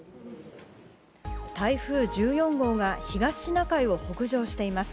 台風１４号が東シナ海を北上しています。